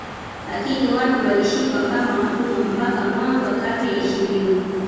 Lakini watu walishikwa kama watumwa mpaka mwanzo wa karne ya ishirini